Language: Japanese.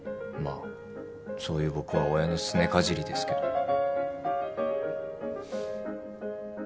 まあそういう僕は親のすねかじりですけど。